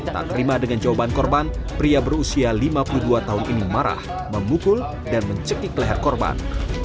tak terima dengan jawaban korban pria berusia lima puluh dua tahun ini marah memukul dan mencekik leher korban